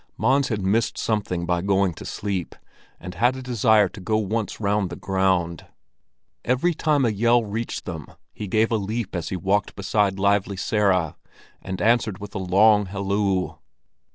Mons had missed something by going to sleep and had a desire to go once round the ground. Every time a yell reached them he gave a leap as he walked beside Lively Sara, and answered with a long halloo.